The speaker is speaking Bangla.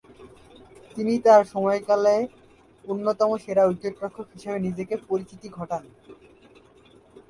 তিনি তার সময়কালের অন্যতম সেরা উইকেট-রক্ষক হিসেবে নিজেকে পরিচিতি ঘটান।